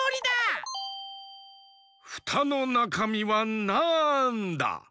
フタのなかみはなんだ？